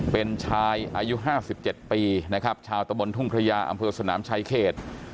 เป็นชายอายุ๕๗ปีนะครับชาวตะบนทุ่งพระยาอำเภอสนามชายเขต